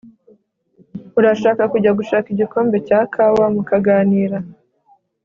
urashaka kujya gushaka igikombe cya kawa mukaganira